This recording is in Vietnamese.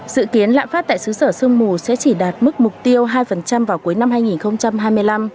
dự kiến lạm phát tại xứ sở sương mù sẽ chỉ đạt mức mục tiêu hai vào cuối năm hai nghìn hai mươi năm